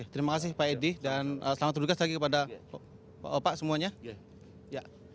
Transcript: terima kasih pak edi dan selamat berduga lagi kepada pak opa semuanya